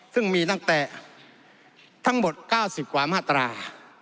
ซึ่งมีตั้งแต่ทั้งหมด๙๐กว่ามาตรา